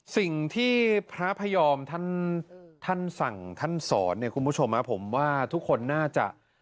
สิ่งที่พระพยอมท่านสั่งท่านสอนเนี่ยคุณผู้ชมผมว่าทุกคนน่าจะ